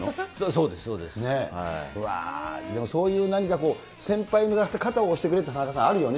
わー、でもそういう何かこう、先輩が肩を押してくれるって、田中さん、あるよね。